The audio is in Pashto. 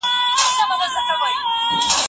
د مقالي ژبه باید ساده او روانه وي.